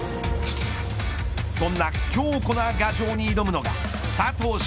そんな強固な牙城に挑むのが佐藤駿